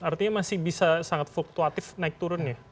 artinya masih bisa sangat fluktuatif naik turun ya